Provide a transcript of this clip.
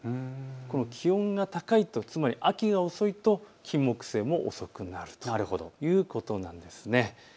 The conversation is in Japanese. この気温が高いと、つまり秋が遅いとキンモクセイも遅くなるということです。